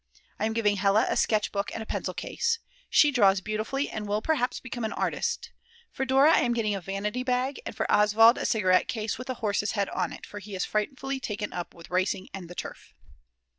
I am giving Hella a sketch book and a pencil case; she draws beautifully and will perhaps become an artist, for Dora I am getting a vanity bag and for Oswald a cigarette case with a horse's head on it, for he is frightfully taken up with racing and the turf.